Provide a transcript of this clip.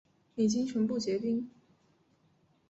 已经全部结冰